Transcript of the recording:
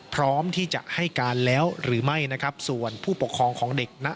พร้อมที่จะให้การแล้วหรือไม่นะครับส่วนผู้ปกครองของเด็กนะ